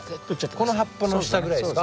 この葉っぱの下ぐらいですか？